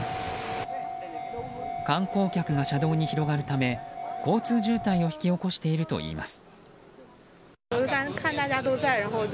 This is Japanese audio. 観光客が車道に広がるため交通渋滞を引き起こしているといいます。